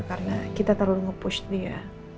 karena kita terlalu nge push dia